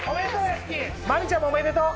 マミちゃんもおめでとう！